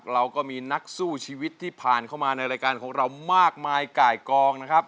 เราก็มีนักสู้ชีวิตที่ผ่านเข้ามาในรายการของเรามากมายไก่กองนะครับ